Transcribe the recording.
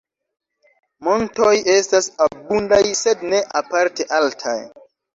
Montoj estas abundaj sed ne aparte altaj.